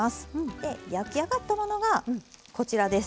で焼き上がったものがこちらです。